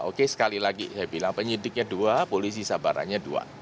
oke sekali lagi saya bilang penyidiknya dua polisi sabarannya dua